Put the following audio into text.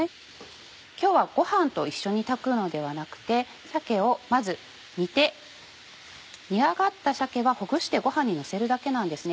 今日はご飯と一緒に炊くのではなくて鮭をまず煮て煮上がった鮭はほぐしてご飯にのせるだけなんですね。